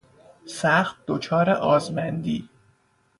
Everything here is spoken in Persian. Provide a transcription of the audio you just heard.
سخت دچار آزمندی